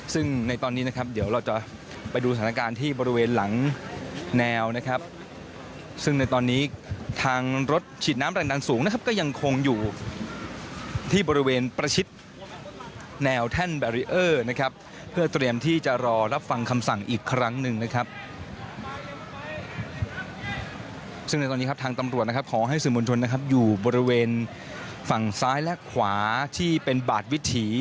ซึ่งในตอนนี้นะครับเดี๋ยวเราจะไปดูสถานการณ์ที่บริเวณหลังแนวนะครับซึ่งในตอนนี้ทางรถฉีดน้ำแรงดันสูงนะครับก็ยังคงอยู่ที่บริเวณประชิดแนวแท่นแบรีเออร์นะครับเพื่อเตรียมที่จะรอรับฟังคำสั่งอีกครั้งหนึ่งนะครับซึ่งในตอนนี้ครับทางตำรวจนะครับขอให้สื่อมวลชนนะครับอยู่บริเวณฝั่งซ้ายและขวาที่เป็นบาดวิถี